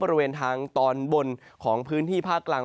บริเวณทางตอนบนของพื้นที่ภาคกลาง